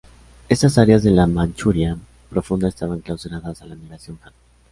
Estas áreas de la Manchuria profunda estaban clausuradas a la migración Han.